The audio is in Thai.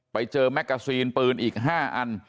ไปเจอแมกกาซินปืนอีก๕อัน